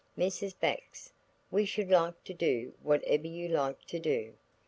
"Mrs. Bax, we should like to do whatever you like to do."